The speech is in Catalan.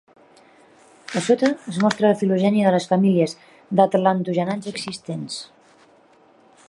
A sota es mostra la filogènia de les famílies d'atlantogenats existents.